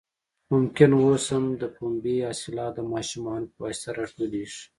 ممکن اوس هم د پنبې حاصلات د ماشومانو په واسطه راټولېږي.